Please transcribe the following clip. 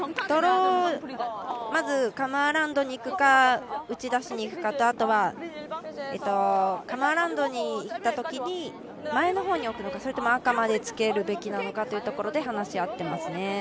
ドローまずカム・アラウンドにいくか、打ち出しにいくかと、あとはカム・アラウンドにいったときに前の方に置くのかそれとも赤までつけるべきなのかというところで話し合っていますね。